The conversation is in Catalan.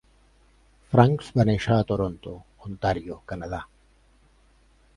Francks va néixer a Toronto, Ontario, Canadà.